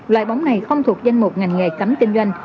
loại bóng này không thuộc danh mục ngành nghề cấm kinh doanh